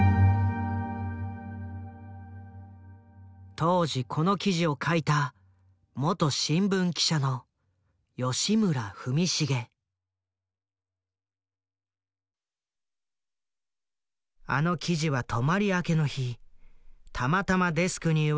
当時この記事を書いた元新聞記者のあの記事は泊まり明けの日たまたまデスクに言われ取材したという。